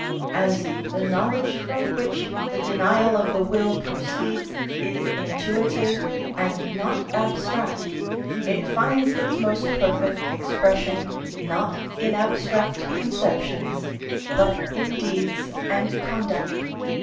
As the knowledge from which the denial of the will proceeds is intuitive and not abstract, it finds its most perfect expression, not in abstract conceptions, but in deeds and conduct.